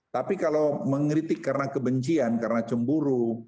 tapi kalau mengkritik karena kebencian karena cemburu